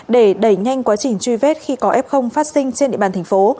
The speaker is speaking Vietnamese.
để đẩy nhanh quá trình truy vết khi có f phát sinh trên địa bàn thành phố